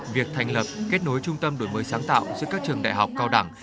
việc thành lập kết nối trung tâm đổi mới sáng tạo giữa các trường đại học cao đẳng